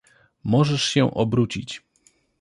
Możesz się obrócić.